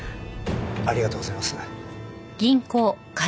ありがとうございます。